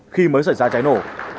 khi mới xảy ra cháy nổ